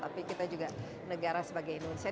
tapi kita juga negara sebagai indonesia